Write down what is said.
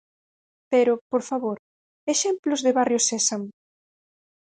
Pero, por favor, ¡exemplos de Barrio Sésamo!